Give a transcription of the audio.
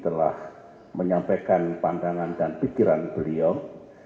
telah menyampaikan pandangan dan pikiran beliau